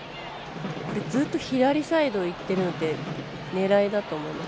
ずっと左サイドに行ってるので狙いだと思います。